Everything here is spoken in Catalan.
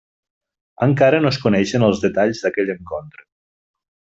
Encara no es coneixen els detalls d'aquell encontre.